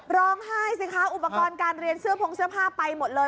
ร้องไห้สิคะอุปกรณ์การเรียนเสื้อพงเสื้อผ้าไปหมดเลย